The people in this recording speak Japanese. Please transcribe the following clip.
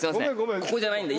ここじゃないんだ。